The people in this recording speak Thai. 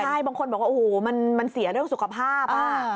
ใช่บางคนบอกว่าโอ้โหมันเสียเรื่องสุขภาพ